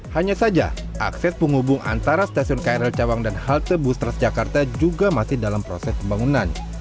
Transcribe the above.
hanya saja akses penghubung antara stasiun krl cawang dan halte bus transjakarta juga masih dalam proses pembangunan